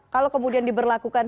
kalau kemudian diberlakukan